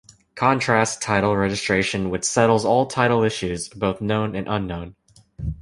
Contrast title registration which settles all title issues, both known and unknown.